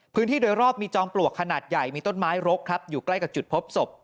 พื้นที่โดยรอบมีจอมปลวกขนาดใหญ่มีต้นไม้รกครับอยู่ใกล้กับจุดพบศพ